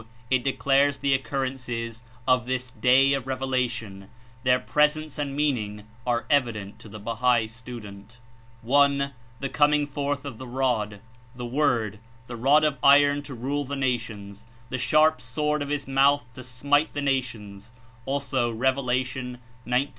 It declares the occurrences of this Day of Revelation (their pres ence and meaning are evident to the Bahal student) : (i) the coming forth of the Rod (The Word), the rod of Iron to rule the nations, the sharp sword of his mouth to smite the nations (also Isaiah ^^^ 19.